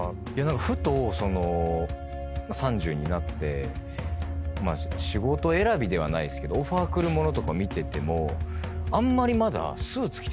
ふと３０になって仕事選びではないですけどオファー来るものとかを見ててもあんまりまだ。